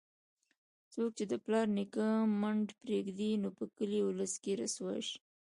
څوک چې د پلار نیکه منډ پرېږدي، نو په کلي اولس کې رسوا شي.